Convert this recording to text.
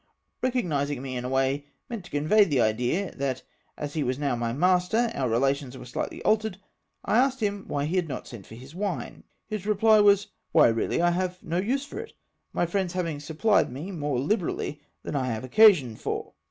Eecognising me in a way meant to convey the idea, that as he was now my master, om^ relations were shghtly altered, I asked him why he had not sent for his wine ? His reply was, " Why, really I have no use for it, my friends having supphed me more libe rally than I have occasion for